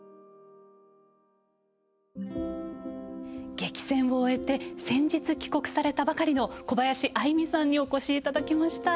激戦を終えて先日、帰国されたばかりの小林愛実さんにお越しいただきました。